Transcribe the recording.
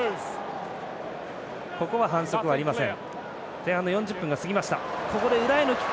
ここは反則はありません。